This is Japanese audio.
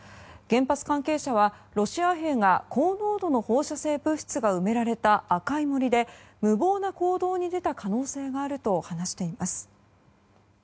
原発関係者はロシア兵が高濃度の放射性物質が埋められた赤い森で無謀な行動に出た可能性があると話しています。